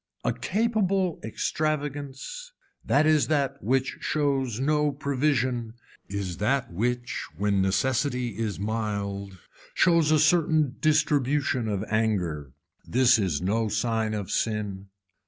A capable extravagance that is that which shows no provision is that which when necessity is mild shows a certain distribution of anger. This is no sign of sin.